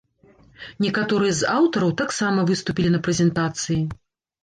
Некаторыя з аўтараў таксама выступілі на прэзентацыі.